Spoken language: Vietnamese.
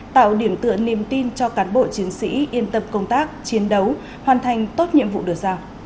tạo điểm tựa niềm tin cho cán bộ chiến sĩ yên tâm công tác chiến đấu hoàn thành tốt nhiệm vụ được giao